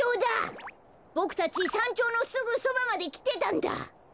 ボクたちさんちょうのすぐそばまできてたんだ。